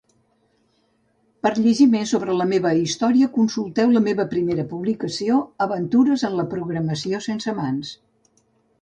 Per llegir més sobre la meva història, consulteu la meva primera publicació, Aventures en la programació sense mans.